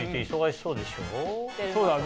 そうだね